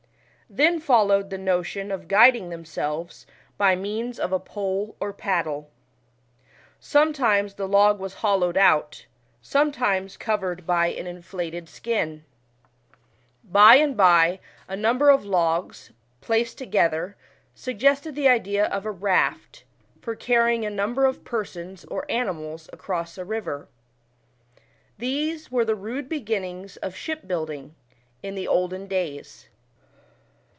Then followed the notion of guiding themseives by means of a pole or paddle. Sometimes the log was hollowed ov.t, sometimes covered by an inflated EAKLY BOATS. 33 skin. By and by a number 01 logs, placea together, suggested the idea of a raft, for carrying a number of persons or animals across a river. These were the rude beginnings of shipbuilding, in the olden days.